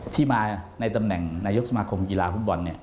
ที่มาในตำแหน่งนายกสมาคมกีฬาฟุตบอล